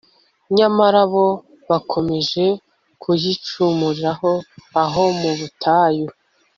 nyamara bo bakomeje kuyicumuraho aho mu butayu